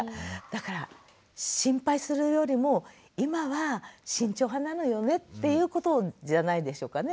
だから心配するよりも今は慎重派なのよねっていうことじゃないでしょうかね。